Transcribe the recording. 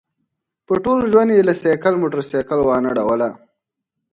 په ټول ژوند یې له سایکل موټرسایکل وانه ړوله.